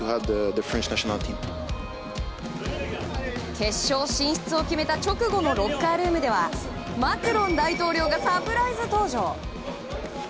決勝進出を決めた直後のロッカールームではマクロン大統領がサプライズ登場。